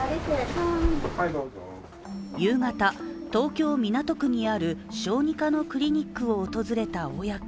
夕方、東京・港区にある小児科のクリニックを訪れた親子。